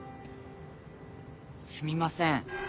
すみません。